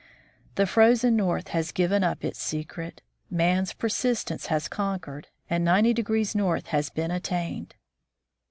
The Frozen North has given up its secret. Man's per sistence has conquered, and 90 north has been attained.